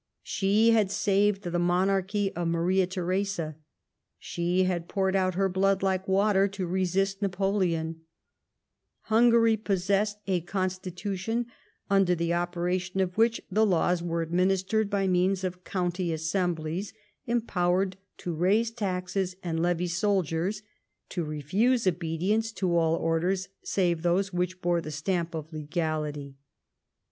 She had saved the monarchy of Maria Theresa : she had poured out her blood like water to resist Napoleon, Hungary possessed a Constitution, under the operation of which the laws were administered by means of county assemblies, empowered to raise taxes and levy soldiers ; to refuse obedience to all orders save those which bore the stamp of legality.